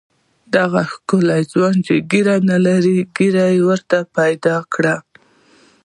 دغه ښکلي ځوانان چې ږیره نه لري ږیره ورته پیدا کړه.